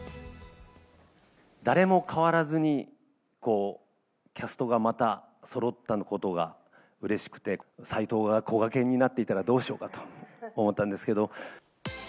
誰も変わらずに、こう、キャストがまたそろったことがうれしくて、斎藤がこがけんになっていたらどうしようかと思ったんですけど。